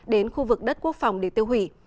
đến khu vực đất quốc phòng để tiêu hủy